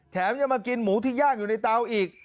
แถมยังมากินหมูที่ย่างอยู่ในเตาอีก